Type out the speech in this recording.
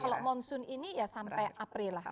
kalau monsun ini ya sampai april lah